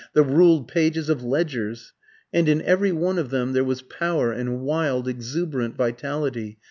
the ruled pages of ledgers. And in every one of them there was power and wild exuberant vitality.